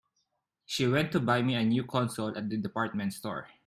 She went to buy me a new console at the department store.